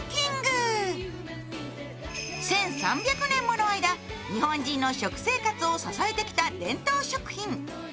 １３００年もの間、日本人の食生活を支えてきた伝統食品。